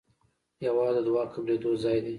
هېواد د دعا قبلېدو ځای دی.